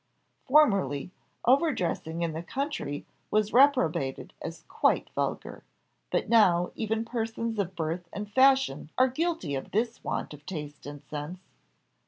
Formerly, overdressing in the country was reprobated as quite vulgar; but now, even persons of birth and fashion are guilty of this want of taste and sense.